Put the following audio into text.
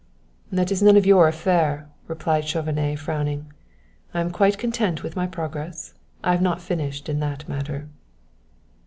"That is none of your affair," replied Chauvenet, frowning. "I am quite content with my progress. I have not finished in that matter."